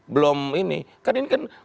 belum ini kan ini kan